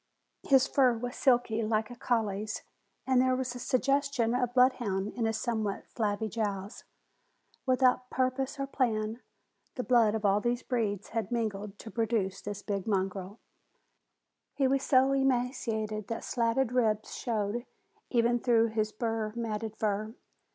His fur was silky, like a collie's, and there was a suggestion of bloodhound in his somewhat flabby jowls. Without purpose or plan, the blood of all these breeds had mingled to produce this big mongrel. He was so emaciated that slatted ribs showed even through his burr matted fur.